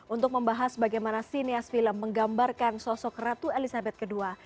untuk membahas bagaimana sineas film menggambarkan sosok ratu elizabeth ii